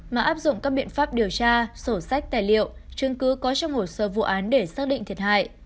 mà áp dụng các biện pháp điều tra sổ sách tài liệu chứng cứ có trong hồ sơ vụ án để xác định thiệt hại